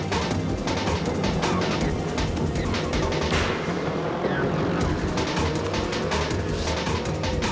kamu pertanyaan aja sama aku ya